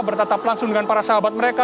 bertatap langsung dengan para sahabat mereka